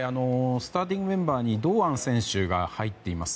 スターティングメンバーに堂安選手が入っています。